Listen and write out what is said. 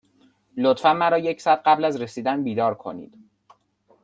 لطفا مرا یک ساعت قبل از رسیدن بیدار کنید.